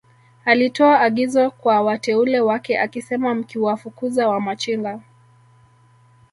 alitoa agizo kwa wateule wake akisema Mkiwafukuza Wamachinga